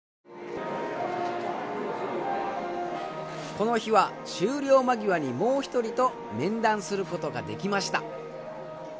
この日は終了間際にもう一人と面談する事ができました。